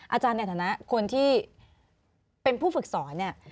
อาจารย์ในฐานะคนที่เป็นผู้ฝึกสอนเนี่ย